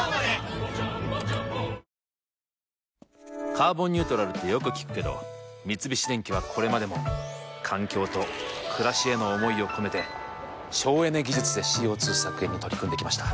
「カーボンニュートラル」ってよく聞くけど三菱電機はこれまでも環境と暮らしへの思いを込めて省エネ技術でＣＯ２削減に取り組んできました。